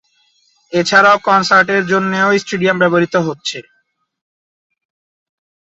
এছাড়াও, কনসার্টের জন্যও স্টেডিয়ামটি ব্যবহৃত হচ্ছে।